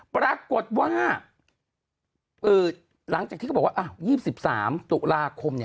ปรากฏว่าหลังจากที่เขาบอกว่า๒๓ตุลาคม